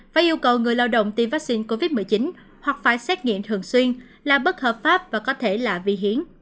phải yêu cầu người lao động tiêm vaccine covid một mươi chín hoặc phải xét nghiệm thường xuyên là bất hợp pháp và có thể là vi hiến